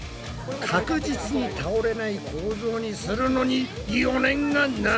確実に倒れない構造にするのに余念がない！